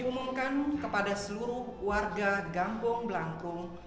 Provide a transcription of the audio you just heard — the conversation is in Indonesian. diumumkan kepada seluruh warga gampong blank room